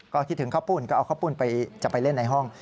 ก็คิดถึงข้าวปุ้นก็เอาข้าวปุ้นจะไปเล่นในห้อง